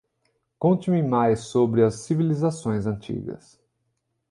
Conte-me mais sobre as civilizações antigas